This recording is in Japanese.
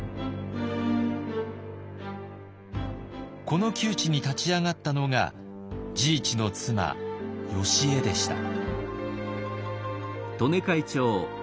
この窮地に立ち上がったのが治一の妻よしえでした。